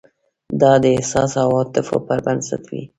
دا د احساس او عواطفو پر بنسټ وي.